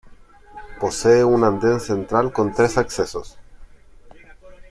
Posee un anden central con tres accesos.